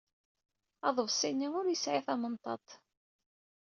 Aḍebsi-nni ur yesɛi tamenṭaḍt.